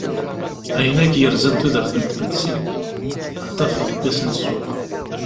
Ayen akk yerzan tudert n tmetti, ad t-tafeḍ deg wass n ssuq.